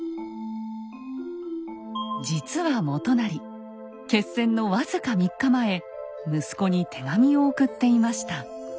実は元就決戦の僅か３日前息子に手紙を送っていました。